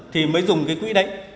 thì mới dùng cái quỹ đấy